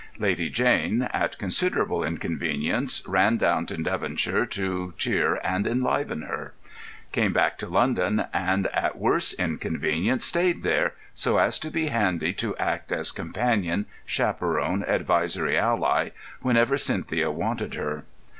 Lady Jane, at considerable inconvenience, ran down to Devonshire to cheer and enliven her. Came back to London and at worse inconvenience stayed there, so as to be handy to act as companion, chaperon, advisory ally, whenever Cynthia wanted her.